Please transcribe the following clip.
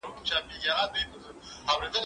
زه هره ورځ مړۍ خورم!؟